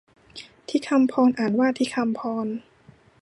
ฑิฆัมพร อ่านว่าทิคำพอน